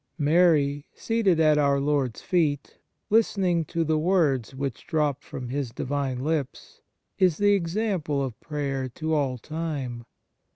Mary seated at Our Lord s feet, listening to the words which drop from His Divine lips, is the example of prayer to all time.